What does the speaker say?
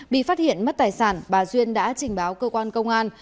bị phát hiện mất tài sản bà duyên đã trình báo cơ quan công an